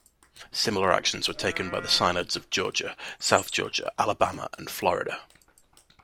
Similar actions were taken by the synods of Georgia, South Georgia, Alabama, and Florida.